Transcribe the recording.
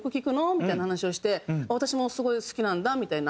みたいな話をして「私もすごい好きなんだ」みたいな。